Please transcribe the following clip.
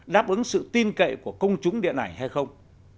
đáp ứng sự tin cậy của công chúng điện ảnh hay không